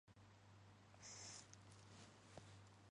He was involved with the grocery business in Joliet.